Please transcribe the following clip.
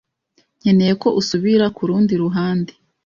nkeneye ko usubira kurundi ruhande.